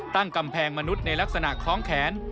ตั้งกำแพงมนุษย์ในลักษณะคล้องแขน